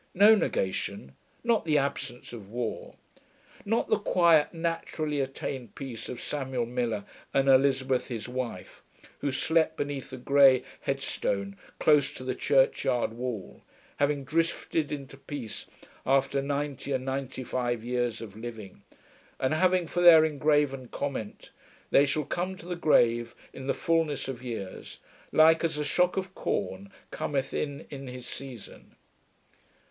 No negation: not the absence of war. Not the quiet, naturally attained peace of Samuel Miller and Elizabeth his wife, who slept beneath a grey headstone close to the churchyard wall, having drifted into peace after ninety and ninety five years of living, and having for their engraven comment, 'They shall come to the grave in the fullness of years, like as a shock of corn cometh in in his season.'